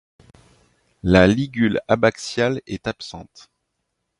La ligule abaxiale est absente.